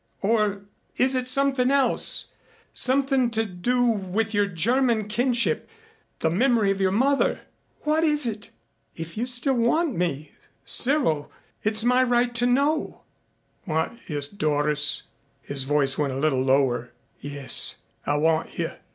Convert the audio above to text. Or is it something else something to do with your German kinship the memory of your mother. What is it? If you still want me, Cyril, it is my right to know " "Want you, Doris " his voice went a little lower. "Yes, I want you.